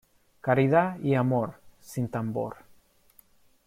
Caridad y amor, sin tambor.